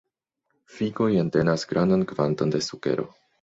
Figoj entenas grandan kvanton de sukero.